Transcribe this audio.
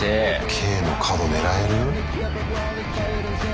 Ｋの角狙える？